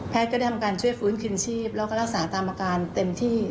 ก็ได้ทำการช่วยฟื้นคืนชีพแล้วก็รักษาตามอาการเต็มที่